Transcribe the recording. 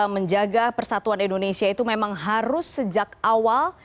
menjaga persatuan indonesia itu memang harus sejak awal